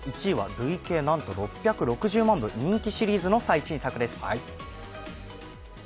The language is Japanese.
１位は累計なんと６６０万部、人気シリーズの最新作です。